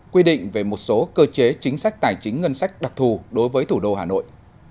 quy định về một số cơ chế chính sách tài chính ngân sách đặc thù đối với thủ đô hà nội